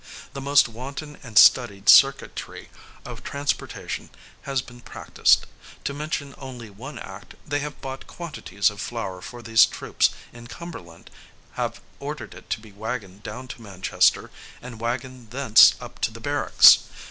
The most wanton and studied circuity of transportation has been practised: to mention only one act, they have bought quantities of flour for these troops in Cumberland, have ordered it to be wagoned down to Manchester, and wagoned thence up to the barracks.